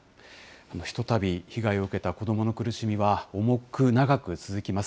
ひとたび、被害を受けた子どもの苦しみは重く長く続きます。